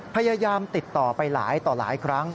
พยายามติดต่อไปหลายต่อหลายครั้ง